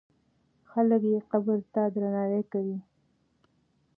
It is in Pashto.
خلک یې قبر ته درناوی کوي.